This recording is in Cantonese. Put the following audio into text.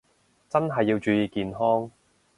真係要注意健康